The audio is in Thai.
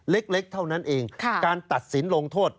เล็กเท่านั้นเองการตัดสินลงโทษ